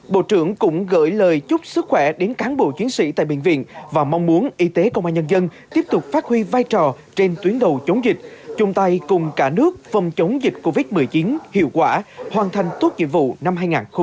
bộ trưởng cũng gửi lời chúc sức khỏe đến cán bộ chiến sĩ tại bệnh viện và mong muốn y tế công an nhân dân tiếp tục phát huy vai trò trên tuyến đầu chống dịch chung tay cùng cả nước phòng chống dịch covid một mươi chín hiệu quả hoàn thành tốt nhiệm vụ năm hai nghìn hai mươi